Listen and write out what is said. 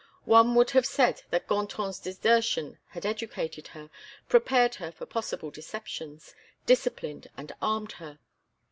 One would have said that Gontran's desertion had educated her, prepared her for possible deceptions, disciplined, and armed her.